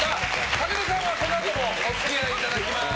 武田さんはこのあともお付き合いいただきます。